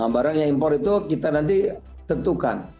barang yang impor itu kita nanti tentukan